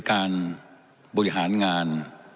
การบริหารงาน